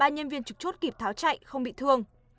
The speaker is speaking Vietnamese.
ba nhân viên trực chốt kịp tháo chạy không bị thương